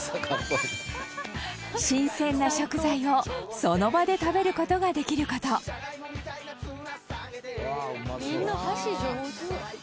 新鮮な食材をその場で食べる事ができる事本仮屋：みんな、箸、上手。